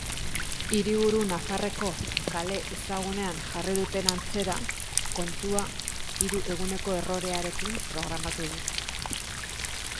Hiriburu nafarreko kale ezagunean jarri duten atzera kontua hiru eguneko errorearekin programatu dute.